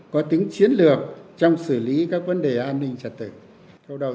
có tính chiến lược trong xử lý các vấn đề an ninh trật tự